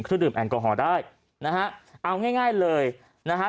คือดื่มแอลกอฮอล์ได้นะฮะเอาง่ายเลยนะฮะ